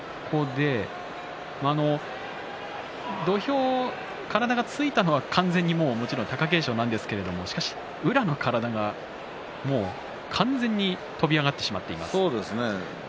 土俵に体がついたのは完全に貴景勝なんですがしかし、宇良の体が完全に跳び上がってしまっています。